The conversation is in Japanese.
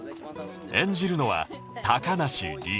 演じるのは高梨臨